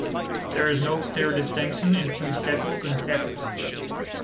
There is no clear distinction into sepals and petals.